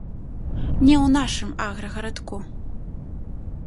Не ў нашым аграгарадку.